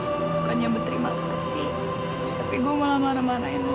bukannya berterima kasih tapi gue malah marah marahin